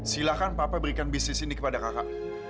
silahkan papa berikan bisnis ini kepada kakak